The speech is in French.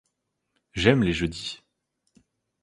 J'aime les jeudis!